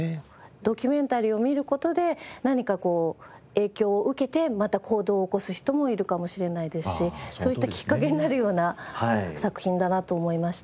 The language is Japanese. ドキュメンタリーを見る事で何かこう影響を受けてまた行動を起こす人もいるかもしれないですしそういったきっかけになるような作品だなと思いました。